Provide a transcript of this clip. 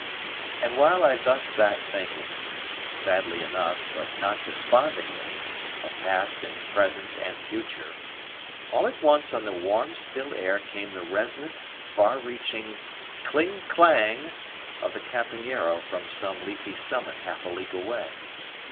And while I thus sat thinking, sadly enough, but not despondingly, of past and present and future, all at once on the warm, still air came the resonant, far reaching KLING KLANG of the campanero from some leafy summit half a league away.